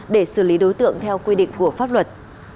để xử lý đối tượng theo quy định của pháp luật